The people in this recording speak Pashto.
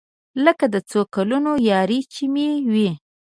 لکه د څو کلونو يار چې مې وي.